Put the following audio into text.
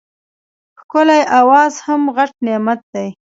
ښکلی اواز هم غټ نعمت دی.